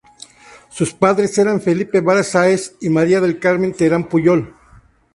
Sus padres eran Felipe Vara Sáez y María del Carmen Terán Puyol.